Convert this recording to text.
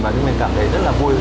và đức minh cảm thấy rất là vui